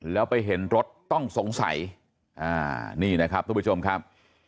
แล้วไปเห็นรถต้องสงสัยนี่นะครับทุกผู้ชมครับ